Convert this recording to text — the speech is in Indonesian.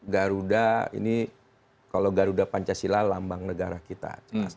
garuda ini kalau garuda pancasila lambang negara kita